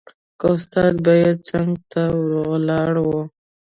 که استاد به يې څنګ ته ولاړ و.